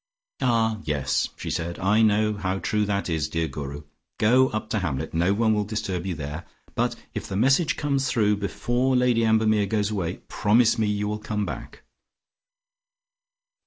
"Ah, yes," she said. "I know how true that is. Dear Guru, go up to Hamlet: no one will disturb you there. But if the message comes through before Lady Ambermere goes away, promise me you will come back."